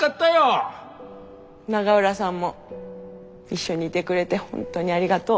永浦さんも一緒にいてくれて本当にありがとう。